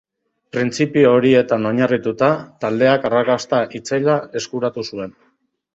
Printzipio horietan oinarrituta, taldeak arrakasta itzela eskuratu zuen.